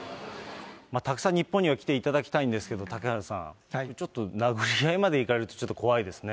たくさん日本には来ていただきたいんですけど、嵩原さん、ちょっと殴り合いまでいかれると、ちょっと怖いですね。